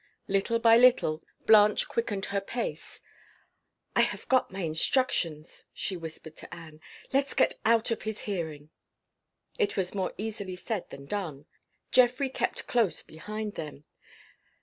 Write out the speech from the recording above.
Little by little, Blanche quickened her pace. "I have got my instructions," she whispered to Anne. "Let's get out of his hearing." It was more easily said than done. Geoffrey kept close behind them.